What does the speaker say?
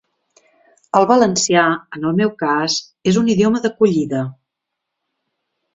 El valencià, en el meu cas, és un idioma d’acollida.